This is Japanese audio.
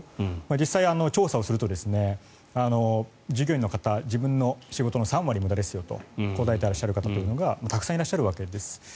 実際に調査をしていくと従業員の方自分の仕事の３割無駄ですよと答えてらっしゃる方がたくさんいらっしゃるわけです。